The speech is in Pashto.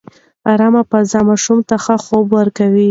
ارامه فضا ماشوم ته ښه خوب ورکوي.